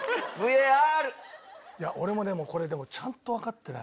いや俺もでもこれちゃんとわかってない。